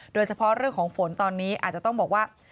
โดยเฉพาะเรื่องของฝนตอนนี้อาจจะต้องบอกว่า